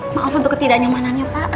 maaf untuk ketidaknyamanannya pak